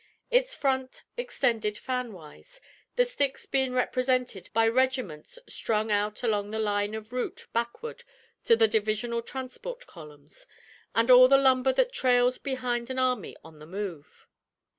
Its front extended fanwise, the sticks being represented by regiments strung out along the line of route backward to the divisional transport columns, and all the lumber that trails behind an army on the move.